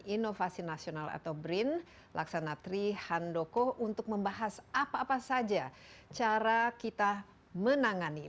inovasi nasional atau brin laksanatri handoko untuk membahas apa apa saja cara kita menangani